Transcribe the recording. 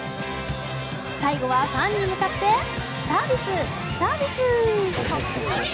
最後はファンに向かってサービス、サービス。